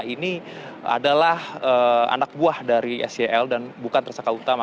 ini adalah anak buah dari sel dan bukan tersangka utama